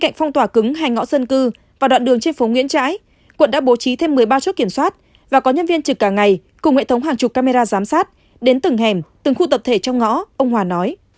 bên cạnh phong tỏa cứng hai ngõ dân cư và đoạn đường trên phố nguyễn trãi quận đã bố trí thêm một mươi ba chốt kiểm soát và có nhân viên trực cả ngày cùng hệ thống hàng chục camera giám sát đến từng hẻm từng khu tập thể trong ngõ ông hòa nói